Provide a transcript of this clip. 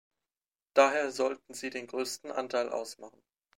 Daher sollten sie den größten Anteil ausmachen.